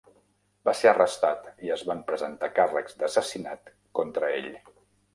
Va ser arrestat i es van presentar càrrecs d'assassinat contra ell.